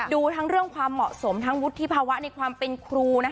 ดูทั้งเรื่องความเหมาะสมทั้งวุฒิภาวะในความเป็นครู